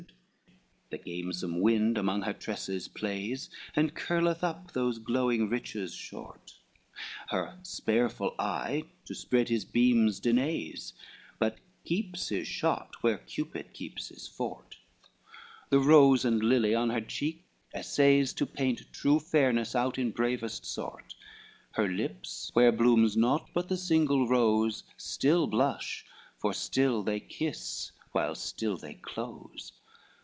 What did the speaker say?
XXX The gamesome wind among her tresses plays, And curleth up those growing riches short; Her spareful eye to spread his beams denays, But keeps his shot where Cupid keeps his fort; The rose and lily on her cheek assays To paint true fairness out in bravest sort, Her lips, where blooms naught but the single rose, Still blush, for still they kiss while still they close.